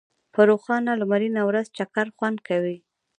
په روښانه لمرینه ورځ چکر خوند کوي.